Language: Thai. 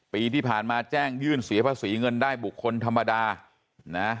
ปีที่ผ่านมาแจ้งยื่นเสียภาษีเงินได้บุคคลธรรมดานะ